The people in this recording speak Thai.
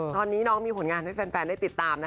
ตอนนี้น้องมีผลงานให้แฟนได้ติดตามนะคะ